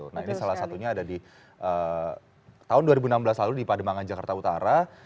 nah ini salah satunya ada di tahun dua ribu enam belas lalu di pademangan jakarta utara